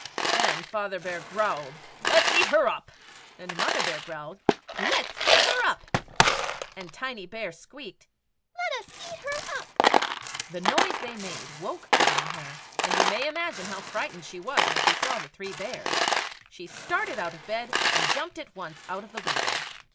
] Then Father Bear growled, "LET US EAT HER UP;" And Mother Bear growled, "LET US EAT HER UP;" And Tiny Bear squeaked, "LET US EAT HER UP." [Illustration: GOLDEN HAIR ESCAPES FROM THE BEARS.] The noise they made woke Golden Hair, and you may imagine how frightened she was when she saw the three bears. She started out of bed, and jumped at once out of the window.